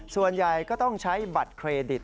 ส่วนใหญ่ก็ต้องใช้บัตรเครดิต